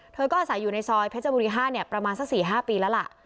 เธอก็อาศัยอยู่ในซอยเพชรบุรี๕ประมาณสัก๔๕ปีแล้วล่ะ